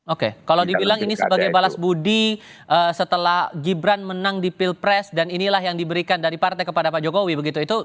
oke kalau dibilang ini sebagai balas budi setelah gibran menang di pilpres dan inilah yang diberikan dari partai kepada pak jokowi begitu